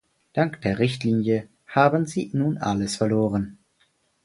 Dank der Richtlinie haben sie nun alles verloren.